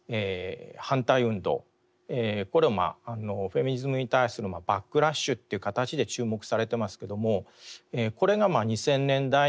これはフェミニズムに対するバックラッシュという形で注目されてますけどもこれが２０００年代に生じてます。